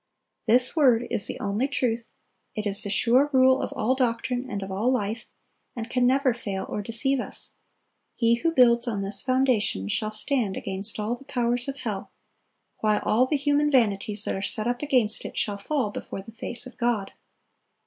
This Word is the only truth; it is the sure rule of all doctrine and of all life, and can never fail or deceive us. He who builds on this foundation shall stand against all the powers of hell, while all the human vanities that are set up against it shall fall before the face of God."